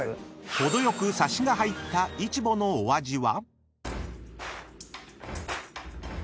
［程よくサシが入ったイチボのお味は？］